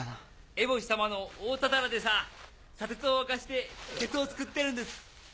エボシ様の大タタラでさぁ砂鉄を沸かして鉄を作ってるんです。